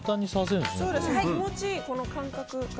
気持ちいい、この感覚が。